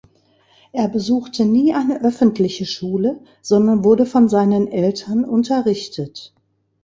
Er besuchte nie eine öffentliche Schule, sondern wurde von seinen Eltern unterrichtet.